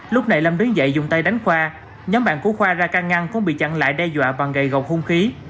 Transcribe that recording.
lúc này lâm đứng dậy dùng tay đánh khoa nhóm bạn của khoa ra can ngăn không bị chặn lại đe dọa bằng gậy gọc hung khí